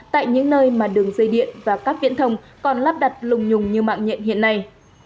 tại những nơi mà đường dây điện và các viễn thông còn lắp đặt lùng nhùng như mạng nhện hiện nay